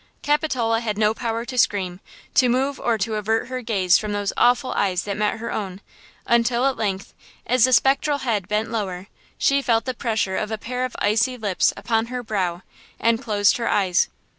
Capitola had no power to scream, to move or to avert her gaze from those awful eyes that met her own, until at length, as the spectral head bent lower, she felt the pressure of a pair of icy lips upon her brow and closed her eyes!